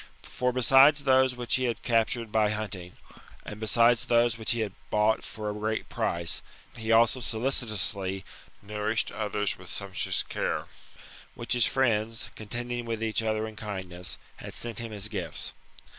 For, besides those which he had captured by hunting, and besides those which he had bought for a great price, he also solicitously nourished others with sumptuous care, which his friends, contending with each other in kindness, had sent him as gifts.